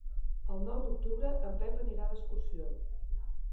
El nou d'octubre en Pep anirà d'excursió.